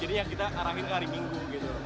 yang kita arahin ke hari minggu gitu